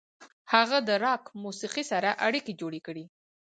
هغه د راک موسیقۍ سره اړیکې جوړې کړې.